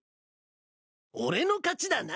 俺の勝ちだな。